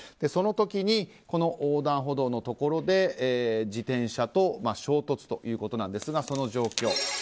その時にこの横断歩道のところで自転車と衝突ということですがその状況。